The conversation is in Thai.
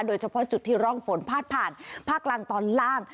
โดยเฉพาะจุดที่ร่องฝนพาดผ่านภาคกลางตอนล่าง